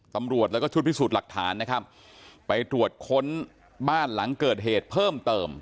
ตำรวจแล้วก็ชุดพิสูจน์หลักฐานนะครับไปตรวจค้นบ้านหลังเกิดเหตุเพิ่มเติม